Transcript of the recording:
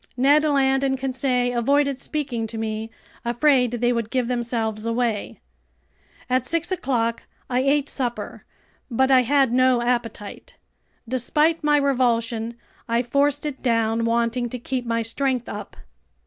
Ned Land and Conseil avoided speaking to me, afraid they would give themselves away. At six o'clock I ate supper, but I had no appetite. Despite my revulsion, I forced it down, wanting to keep my strength up.